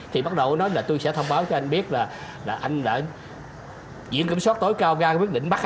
thì bắt đầu nó nói là tôi sẽ thông báo cho anh biết là anh đã diễn kiểm soát tối cao gai